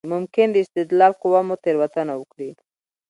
ممکن د استدلال قوه مو تېروتنه وکړي.